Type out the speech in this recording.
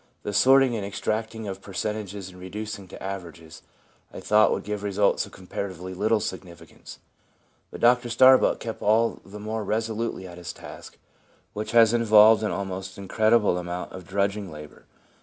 The sorting and extract ing of percentages and reducing to averages, I thought, would give results of comparatively little significance. But Dr Starbuck kept all the more resolutely at his task, which has involved an almost incredible amount of drudging labour.